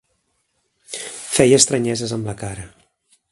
Feia estranyeses amb la cara.